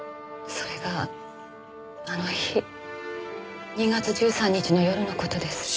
それがあの日２月１３日の夜の事です。